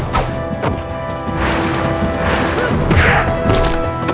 kamu akan terpacui